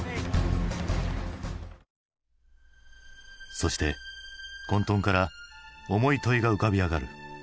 そして混とんから重い問いが浮かび上がる。